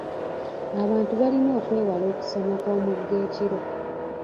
Abantu balina okwewala okusomoka omugga ekiro.